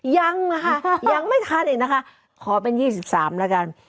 ยังนะคะยังไม่ทันอีกนะคะขอเป็น๒๓แล้วกัน